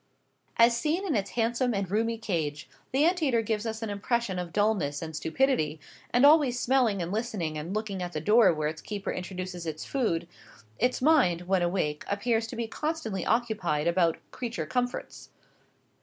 As seen in its handsome and roomy cage, the ant eater gives us an impression of dulness and stupidity; and always smelling and listening and looking at the door where its keeper introduces its food, its mind, when awake, appears to be constantly occupied about "creature comforts."